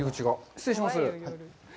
失礼します。